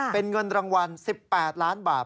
เป็นเงินรางวัล๑๘ล้านบาท